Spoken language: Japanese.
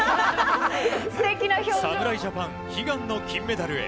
侍ジャパン、悲願の金メダルへ。